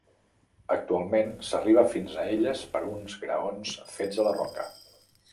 Actualment s'arriba fins a elles per uns graons fets a la roca.